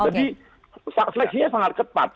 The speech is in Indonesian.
jadi seleksinya sangat ketat